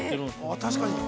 ◆確かに。